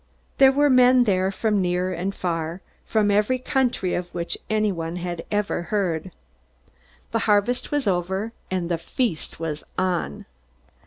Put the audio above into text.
There were men there from near and far, from every country of which anyone had ever heard. The harvest was over, and the feast was on!